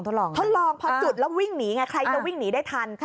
ทดลองพอจุดแล้ววิ่งหนีไงใครจะวิ่งหนีได้ทัน